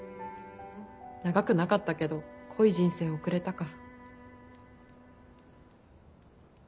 長くなかったけど濃い人生を送れたから。